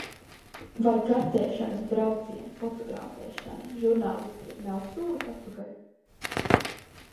Vai kartēšanas brauciena fotografēšana žurnālistei nav solis atpakaļ?